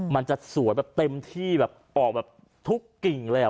มันจะสวยแบบเต็มที่แบบออกแบบทุกกิ่งเลยอ่ะ